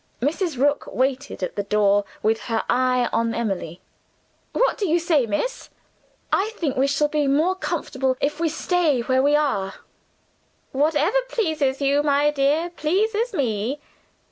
Mrs. Rook waited at the door, with her eye on Emily. "What do you say, miss?" "I think we shall be more comfortable if we stay where we are." "Whatever pleases you, my dear, pleases me."